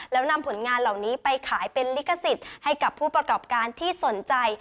แล้วนำผลงานเหล่านี้ไปขายเป็นลิขสิทธิ์ให้กับผู้ประกอบการที่สนใจ